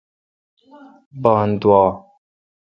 بان دووا۔